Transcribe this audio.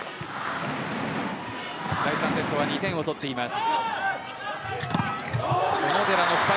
第３セットは２点を取っています。